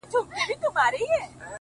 o هغې ليونۍ بيا د غاړي هار مات کړی دی،